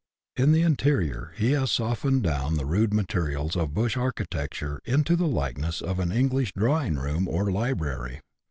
In the interior he has softened down the rude materials of bush architecture into the likeness of an English drawing room or library.